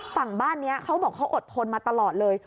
ฝั่งบ้านนี้เขาบอกเขาอดทนมาตลอดเลย